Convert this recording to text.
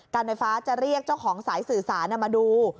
การไฟฟ้าจะเรียกเจ้าของสายสื่อสารมาดู